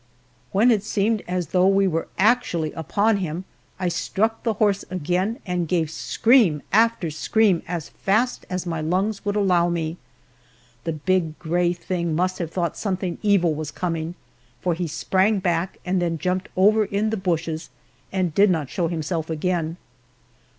When it seemed as though we were actually upon him I struck the horse again and gave scream after scream as fast as my lungs would allow me. The big gray thing must have thought something evil was coming, for he sprang back, and then jumped over in the bushes and did not show himself again.